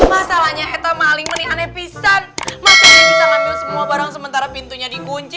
masalahnya eta maling menikah nevisan masa dia bisa ngambil semua barang sementara pintunya dikunci